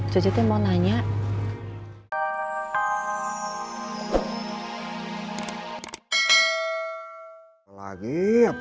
cucu tuh mau nanya